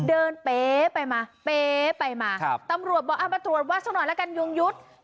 เดินไปมาไปมาครับตำลวจว่าวัดเท่านั้นแล้วกันยงยุทธ์